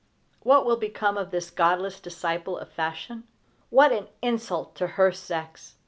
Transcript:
What will become of this godless disciple of fashion? What an insult to her sex!